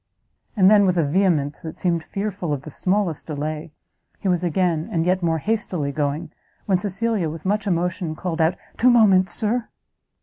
And then, with a vehemence that seemed fearful of the smallest delay, he was again, and yet more hastily going, when Cecilia, with much emotion, called out, "Two moments, Sir!"